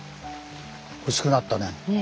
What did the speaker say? ほしくなったね。